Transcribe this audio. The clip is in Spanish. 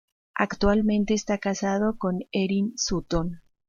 Actualmente esta casado con Erin Sutton.